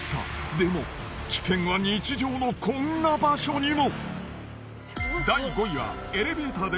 でも危険は日常のこんな場所にも。